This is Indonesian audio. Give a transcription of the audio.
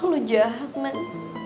lo jahat man